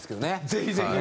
ぜひぜひ！